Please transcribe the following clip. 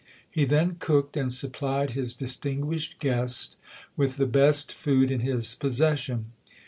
He then cooked and supplied his distinguished guest with the best food in his possession.